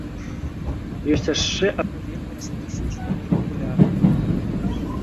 Ёсць яшчэ адно вельмі распаўсюджанае і папулярнае меркаванне.